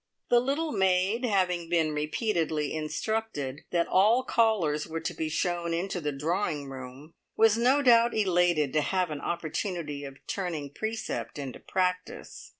The little maid, having been repeatedly instructed that all callers were to be shown into the drawing room, was no doubt elated to have an opportunity of turning precept into practice.